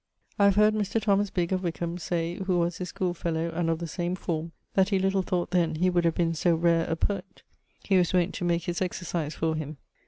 I have heard Mr. Thomas Bigge, of Wickham, say (who was his schoole fellow, and of the same forme), that he little thought then he would have been so rare a poet; he was wont to make his exercise for him.